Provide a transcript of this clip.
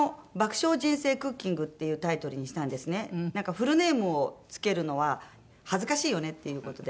フルネームを付けるのは恥ずかしいよねっていう事で。